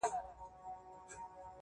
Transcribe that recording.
خپه سو، صرف يو غاړه چي هم ور نه کړله,